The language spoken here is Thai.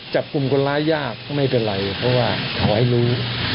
จับกลุ่มคนร้ายยากก็ไม่เป็นไรเพราะว่าขอให้รู้